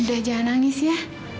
udah jangan nangis ya